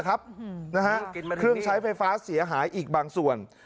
เครื่องใช้ไฟฟ้าเสียหายอีกบางส่วน